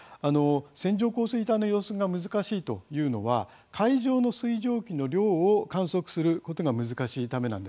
線状降水帯の予測が難しいのは、海上の水蒸気の量を観測することが難しいためなんです、大きいのが。